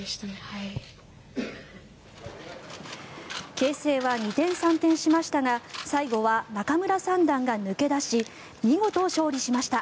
形勢は二転三転しましたが最後は仲邑三段が抜け出し見事、勝利しました。